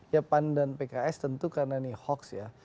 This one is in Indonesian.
ya pan dan pks tentu karena ini hoax ya